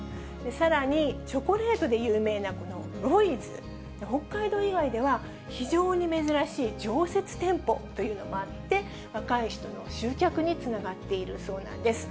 さらに、チョコレートで有名なこのロイズ、北海道以外では非常に珍しい常設店舗というのもあって、若い人の集客につながっているそうなんです。